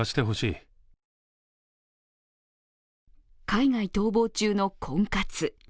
海外逃亡中の婚活。